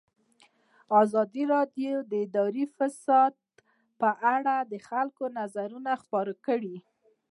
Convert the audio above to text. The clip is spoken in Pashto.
ازادي راډیو د اداري فساد په اړه د خلکو نظرونه خپاره کړي.